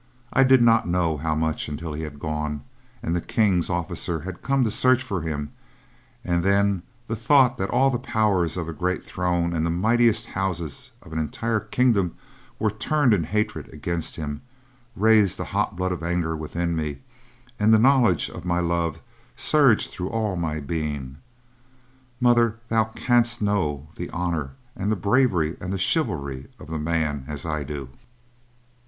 "I did not know how much until he had gone, and the King's officer had come to search for him, and then the thought that all the power of a great throne and the mightiest houses of an entire kingdom were turned in hatred against him raised the hot blood of anger within me and the knowledge of my love surged through all my being. Mother, thou canst not know the honor, and the bravery, and the chivalry of the man as I do.